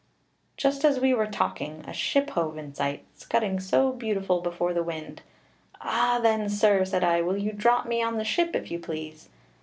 "Just as we were talking, a ship hove in sight, scudding so beautiful before the wind. 'Ah! then, sir,' said I, 'will you drop me on the ship, if you please?'